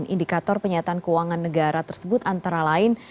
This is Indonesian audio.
indikator penyataan keuangan negara tersebut antara lain